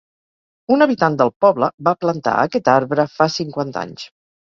Un habitant del poble va plantar aquest arbre fa cinquanta anys.